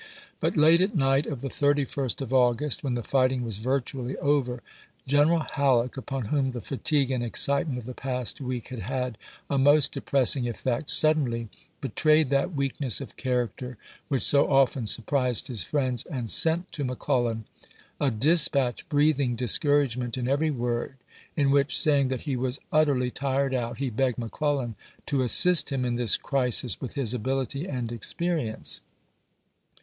But late at night of the 31st of August, when the fighting was virtually over, Greneral Halleck, upon whom the fatigue and excitement of the past week had had a most de pressing effect, suddenly betrayed that weakness of character which so often surprised his friends, and sent to McClellan a dispatch breathing discourage voi! xi., ment in every word, in which, saying that he was p. 103." " utterly tired out," he begged McClellan " to assist him in this crisis with his ability and experience."